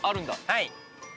はい。